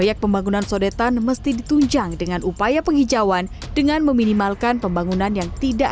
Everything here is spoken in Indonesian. ring pengurus soedetan akan jadi kantor pebankas yang memrocok masyarakat ubk